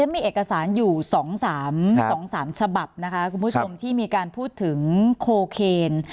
มีเอกสารอยู่สองสามสามสามฉบับนะคะคุณผู้ชมที่มีการพูดถึงโคเคน